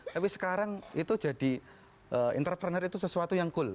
tapi sekarang itu jadi entrepreneur itu sesuatu yang cool